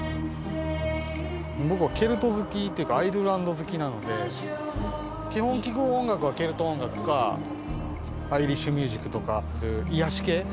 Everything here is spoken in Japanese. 僕はケルト好きっていうか、アイルランド好きなので、基本、聴く音楽はケルト音楽か、アイリッシュミュージックとか、そういう癒やし系。